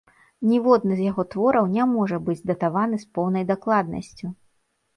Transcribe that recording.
Ніводны з яго твораў не можа быць датаваны з поўнай дакладнасцю.